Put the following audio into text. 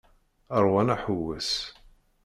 Rwan aḥewwes.